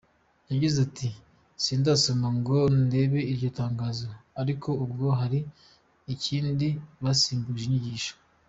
Yagize ati ”Sindasoma ngo ndebe iryo tangazo ariko ubwo hari ikindi basimbuje inyigisho.